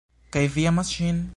Kaj vi amas ŝin?